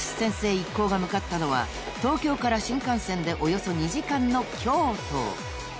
一行が向かったのは東京から新幹線でおよそ２時間の京都］